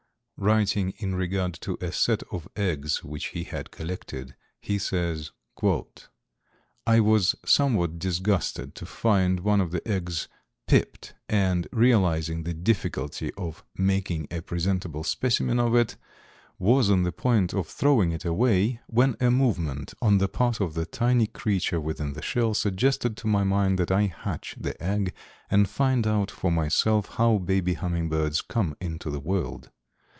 Writing in regard to a set of eggs which he had collected, he says: "I was somewhat disgusted to find one of the eggs pipped and, realizing the difficulty of making a presentable specimen of it, was on the point of throwing it away when a movement on the part of the tiny creature within the shell suggested to my mind that I hatch the egg and find out for myself how baby hummingbirds come into the world.